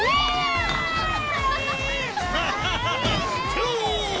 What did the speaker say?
とう！